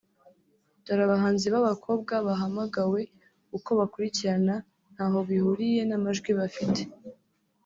Dore abahanzi b’abakobwa bahamagawe (uko bakurikirana ntaho bihuriye n’amajwi bafite)